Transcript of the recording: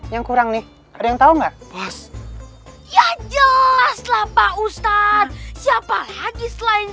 yang kurang nih ada yang tahu enggak pas ya jelaslah pak ustadz siapa lagi selain